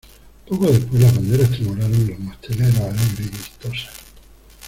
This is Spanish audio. poco después las banderas tremolaron en los masteleros alegres y vistosas: